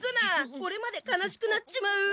オレまで悲しくなっちまう。